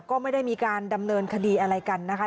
ก็ไม่ได้มีการดำเนินคดีอะไรกันนะคะ